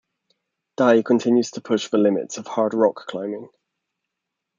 Dai continues to push the limits of hard rock climbing.